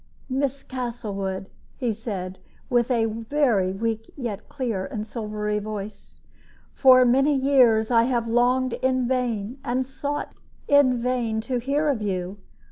"Miss Castlewood," he said, with a very weak yet clear and silvery voice, "for many years I have longed in vain and sought in vain to hear of you.